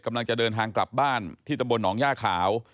กำลังจะเดินทางกลับบ้านที่ตำบลหนองย่าขาว